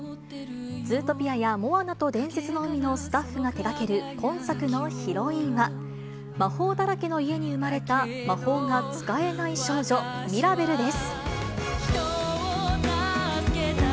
ズートピアやモアナと伝説の海のスタッフが手がける今作のヒロインは、魔法だらけの家に生まれた魔法が使えない少女、ミラベルです。